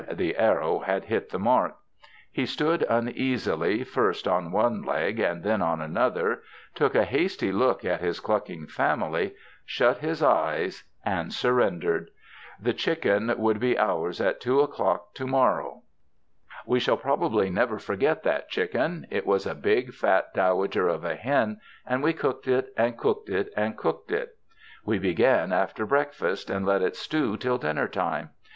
The arrow had hit the mark. He stood uneasily first on one leg and then on another, took a hasty look at his clucking family, shut his eyes and surrendered. The chicken would be ours at two o'clock to morrow. 188 n WINTER ON THE ISLE OF SUMMER We shall probably never forget that chicken. It was a big, fat dowager of a hen, and we cooked it and cooked it and cooked it. We began after break fast and let it stew till dinner time.